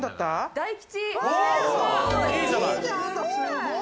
大吉！